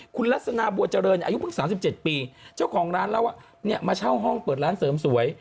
คุณลัศนาบัวเจริญอายุเพิ่ง๓๗ปีเจ้าของร้านเรามาเช่าห้องเปิดร้านเสริมสวย